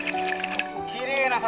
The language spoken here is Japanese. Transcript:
きれいな魚！